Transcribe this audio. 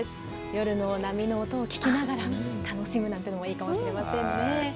夜の波の音を聞きながら、楽しむなんていうのもいいかもしれませんね。